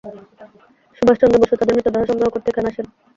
সুভাষচন্দ্র বসু তাদের মৃতদেহ সংগ্রহ করতে এখানে আসেন।